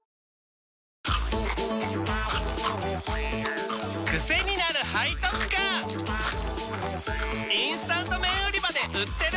チキンかじり虫インスタント麺売り場で売ってる！